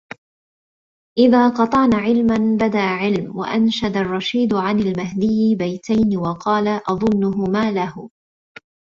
إذَا قَطَعْنَا عِلْمًا بَدَا عِلْمُ وَأَنْشَدَ الرَّشِيدُ عَنْ الْمَهْدِيِّ بَيْتَيْنِ وَقَالَ أَظُنُّهُمَا لَهُ